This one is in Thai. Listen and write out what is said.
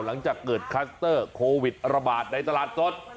หลังจากเกิดคลัสเตอร์โควิดระบาดในตลาดสด